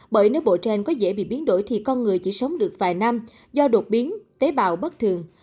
bởi nếu bộ trên có dễ bị biến đổi thì con người chỉ sống được vài năm do đột biến tế bào bất thường